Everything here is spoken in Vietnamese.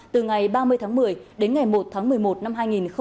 từ ngày ba mươi tháng một mươi đến ngày một tháng một mươi một năm hai nghìn hai mươi